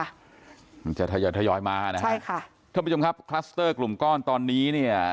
มันจะทยอยทยอยมานะฮะใช่ค่ะท่านผู้ชมครับคลัสเตอร์กลุ่มก้อนตอนนี้เนี่ย